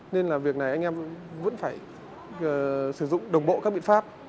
nên là việc này anh em vẫn phải sử dụng đồng bộ các biện pháp